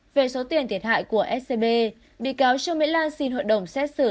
về số tiền thiệt hại của scb bị cáo trương mỹ lan xin hội đồng xét xử